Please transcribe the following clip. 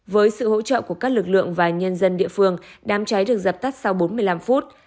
với sự hỗ trợ của các lực lượng và nhân dân địa phương đám cháy được dập tắt sau bốn mươi năm phút